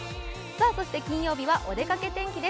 金曜日はお出かけ天気です。